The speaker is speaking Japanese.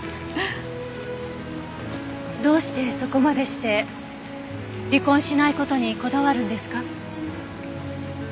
どうしてそこまでして離婚しない事にこだわるんですか？